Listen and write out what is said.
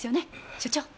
所長。